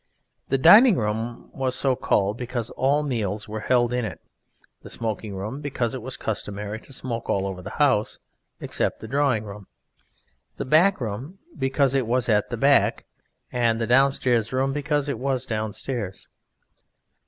The Dining room was so called because all meals were held in it; the Smoking room because it was customary to smoke all over the house (except the Drawing room); the Back room because it was at the back, and the Downstairs room because it was downstairs.